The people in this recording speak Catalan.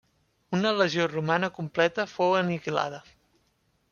Una legió romana completa fou aniquilada.